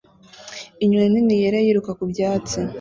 Inyoni nini yera yiruka ku byatsi